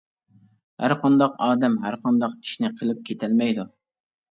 ھەر قانداق ئادەم ھەرقانداق ئىشنى قىلىپ كېتەلمەيدۇ.